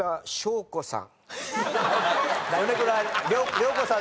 涼子さん。